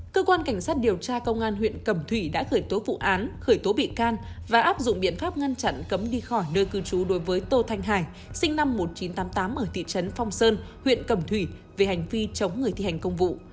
cơ quan cảnh sát điều tra công an huyện cẩm thủy đã khởi tố vụ án khởi tố bị can và áp dụng biện pháp ngăn chặn cấm đi khỏi nơi cư trú đối với tô thanh hải sinh năm một nghìn chín trăm tám mươi tám ở thị trấn phong sơn huyện cầm thủy về hành vi chống người thi hành công vụ